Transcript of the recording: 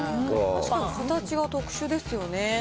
確かに形が特殊ですよね。